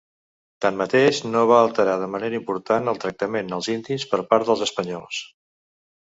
Tanmateix, no va alterar de manera important el tractament als indis per part dels espanyols.